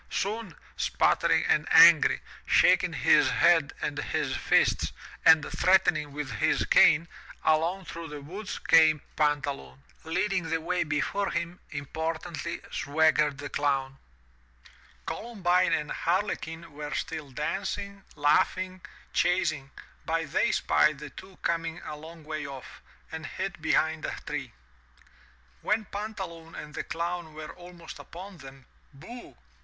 Soon, sputtering and angry, shaking his head and his fists, and threatening with his cane, along through the woods came Pantaloon. Leading the way before him, importantly swaggered the Clown. Columbine and Harlequin were still dancing, laughing, chas ing, but they spied the two coming a long way off, and hid behind a tree. When Pantaloon and the Clown were almost upon them, booh!